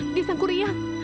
ya dia sang kurian